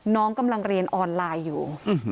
น้องกำลังเรียนออนไลน์อยู่